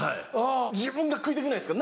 自分が食いたくないですか？